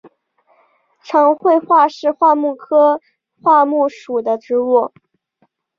长穗桦是桦木科桦木属的植物。